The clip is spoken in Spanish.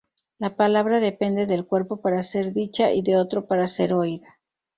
La palabra depende del cuerpo para ser dicha y de otro para ser oída.